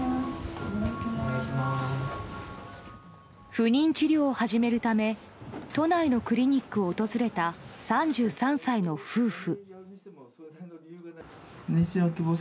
不妊治療を始めるため都内のクリニックを訪れた３３歳の夫婦。